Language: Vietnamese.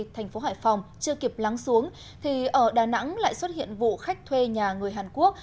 thành phố hải phòng chưa kịp lắng xuống thì ở đà nẵng lại xuất hiện vụ khách thuê nhà người hàn quốc